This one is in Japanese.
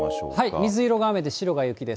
水色が雨で白が雪です。